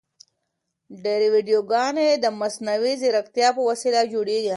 ډېرې ویډیوګانې د مصنوعي ځیرکتیا په وسیله جوړیږي.